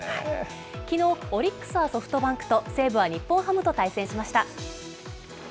きのう、オリックスはソフトバンクと、西武は日本ハムと対戦しました。